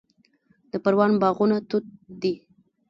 د پروان باغونه توت دي